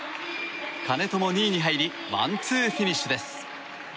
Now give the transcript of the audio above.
金戸も２位に入りワンツーフィニッシュです。